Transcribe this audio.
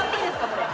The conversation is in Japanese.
これ。